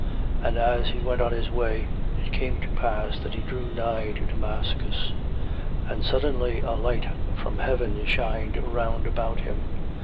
9:3. And as he went on his journey, it came to pass that he drew nigh to Damascus. And suddenly a light from heaven shined round about him.